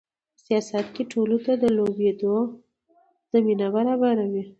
په سیاست کې ټولو ته د لوبېدو زمینه برابروي.